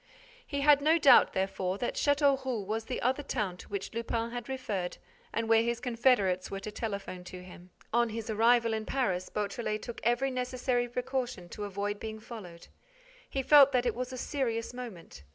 He had no doubt, therefore, that Châteauroux was the other town to which Lupin had referred and where his confederates were to telephone to him. On his arrival in Paris, Beautrelet took every necessary precaution to avoid being followed. He felt that it was a serious moment.